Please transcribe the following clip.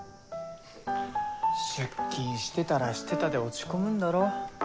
出勤してたらしてたで落ち込むんだろ？